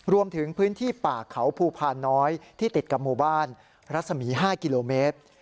รวมถึงพื้นที่ป่าเขาภูพานน้อยที่ติดกับหมู่บ้านรัศมี๕กิโลเมตร